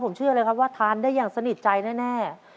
ผมเชื่อเลยครับว่าทานได้อย่างสนิทใจแน่